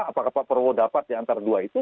apa apa perwodapat diantara dua itu